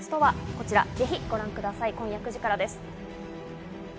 こちらぜひご覧ください、今夜９時からです。